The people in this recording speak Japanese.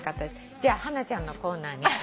じゃハナちゃんのコーナーに。